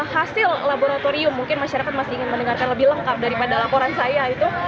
hasil laboratorium mungkin masyarakat masih ingin mendengarkan lebih lengkap daripada laporan saya itu